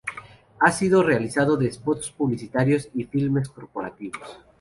Ha sido realizador de spots publicitarios y filmes corporativos.